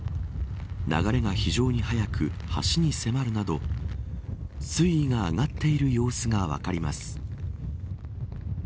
流れが非常に速く橋に迫るなど水位が上がっている様子が分かります。